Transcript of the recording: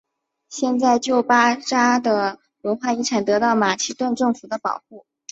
现在旧巴扎的文化遗产得到马其顿政府的保护。